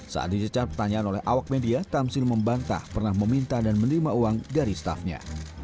saat dicecar pertanyaan oleh awak media tamsil membantah pernah meminta dan menerima uang dari staffnya